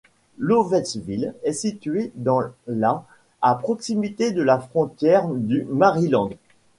Lovettsville est située dans la à proximité de la frontière du Maryland.